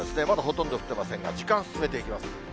まだほとんど降っていませんが、時間進めていきます。